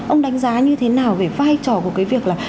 ông đánh giá như thế nào về vai trò của cái việc là